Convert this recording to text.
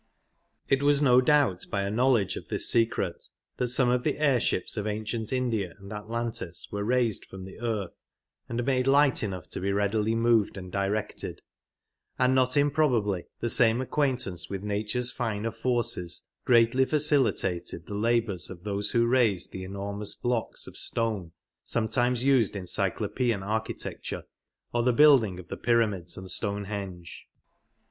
It was no doubt by a knowledge of this secret that some of the air ships of ancient India and Atlantis were raised from the earth and made light 97 enough to be readily moved and directed ; and not impro bably the same acquaintance with nature's finer forces greatly facilitated the labours of those who raised the enormous blocks of stone sometimes used in cyclopean architecture, or in the building of the Pyramids and Stone henge.